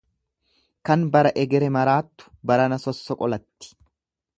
Kan bara egere maraattu barana sossoqolatti.